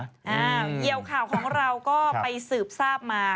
เหี่ยวข่าวของเราก็ไปสืบทราบมา